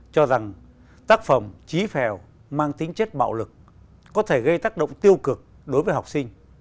cho rằng tác phẩm trí phèo mang tính chất bạo lực có thể gây tác động tiêu cực đối với học sinh